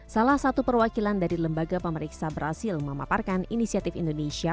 salah satu perwakilan dari lembaga pemeriksa berhasil memaparkan inisiatif indonesia